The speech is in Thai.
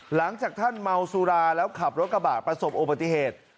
หลังจากท่านเมาสุราแล้วขับรถกระบะประสบอุบัติเหตุ